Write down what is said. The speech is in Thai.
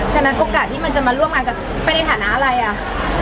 ฉะนั้นโอกาสที่มันจะมาร่วมงานกันไปในฐานะอะไรอ่ะ